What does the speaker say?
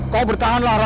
kau bertahanlah ratna